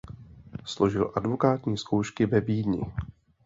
Složil advokátní zkoušky ve Vídni.